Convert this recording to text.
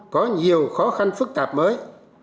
có nhiều khó khăn phức tạp mới